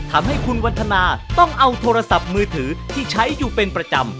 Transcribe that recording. ทำให้คุณวันทนาต้องเอาโทรศัพท์มือถือที่ใช้อยู่เป็นประจำ